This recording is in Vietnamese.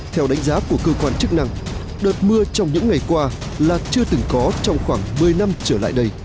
theo đánh giá của cơ quan chức năng đợt mưa trong những ngày qua là chưa từng có trong khoảng một mươi năm trở lại đây